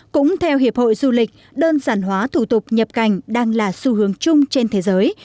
cũng theo hiệp hội du lịch đơn giản hóa thủ tục nhập cảnh đang là xu hướng chung trên thế giới